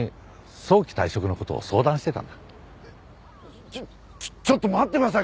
えっちょっちょっと待ってください